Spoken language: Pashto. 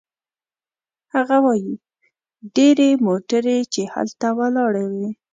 هغه وايي: "ډېرې موټرې چې هلته ولاړې وې